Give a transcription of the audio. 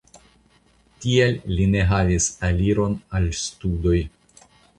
Tial li ne havis aliron al studoj.